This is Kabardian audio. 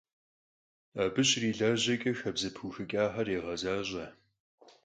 Abı şrilajeç'e, xabze pıuxıç'axer yağezaş'e.